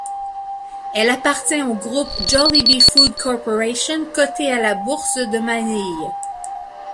Elle appartient au groupe Jollibee Foods Corporation, coté à la Bourse de Manille.